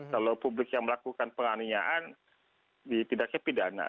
kalau publik yang melakukan penganiayaan ditindaknya pidana